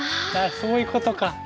そういうことか。